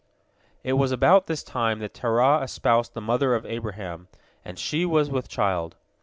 " It was about this time that Terah espoused the mother of Abraham, and she was with child.